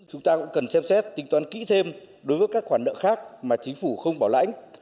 chúng ta cũng cần xem xét tính toán kỹ thêm đối với các khoản nợ khác mà chính phủ không bảo lãnh